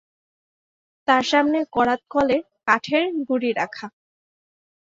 তার সামনে করাতকলের কাঠের গুঁড়ি রাখা।